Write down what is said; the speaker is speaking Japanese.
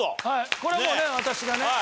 これはもうね私がね。